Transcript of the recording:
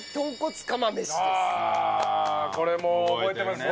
ああこれも覚えてますね。